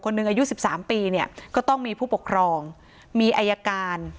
หนึ่งอายุ๑๓ปีเนี่ยก็ต้องมีผู้ปกครองมีอายการ